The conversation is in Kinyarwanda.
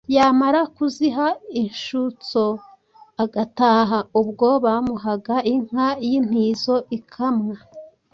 yamara kuziha inshutso agataha. ubwo bamuhaga inka y'intizo ikamwa,